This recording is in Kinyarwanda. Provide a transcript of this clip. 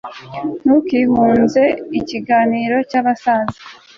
ntukihunze ikiganiro cy'abasaza